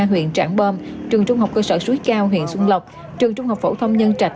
huyện trảng bom trường trung học cơ sở suối cao huyện xuân lộc trường trung học phổ thông nhân trạch